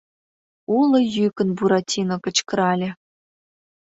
— уло йӱкын Буратино кычкырале.